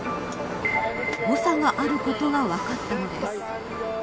誤差があることが分かったのです。